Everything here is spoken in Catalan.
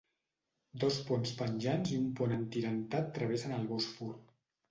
Dos ponts penjants i un pont atirantat travessen el Bòsfor.